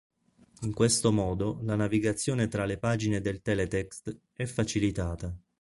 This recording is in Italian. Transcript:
In questo modo la navigazione tra le pagine del teletext è facilitata.